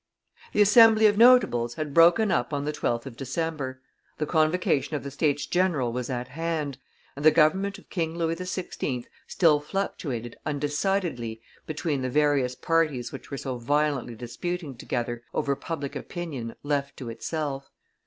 The Assembly of notables had broken up on the 12th of December; the convocation of the States general was at hand, and the government of King Louis XVI. still fluctuated undecidedly between the various parties which were so violently disputing together over public opinion left to itself.